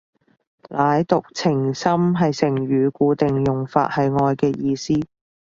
舐犢情深係成語，固定用法，係愛嘅意思